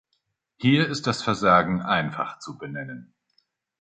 Hier ist das Versagen einfach zu benennen.